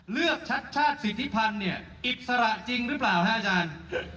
ชัดชาติสิทธิพันธ์เนี่ยอิสระจริงหรือเปล่าฮะอาจารย์